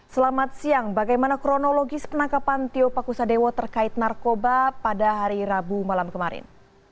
selamat siang bagaimana kronologis penangkapan tio pakusadewo terkait narkoba pada hari rabu malam kemarin